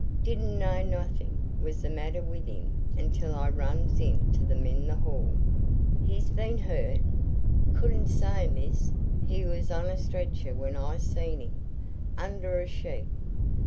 Didn't know nawthin' was the matter with 'im until I runs into them in the hall." "He'd been hurt?" "Couldn't say, miz. He was on a stretcher when I seen 'im. Under a sheet."